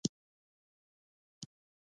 آزاد تجارت مهم دی ځکه چې ورزش هڅوي.